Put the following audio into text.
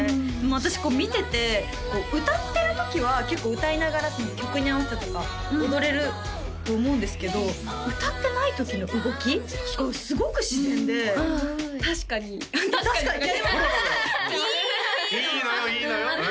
私見てて歌ってる時は結構歌いながら曲に合わせてとか踊れると思うんですけど歌ってない時の動きがすごく自然で確かに確かにっていいのいいのいいのよいいのよ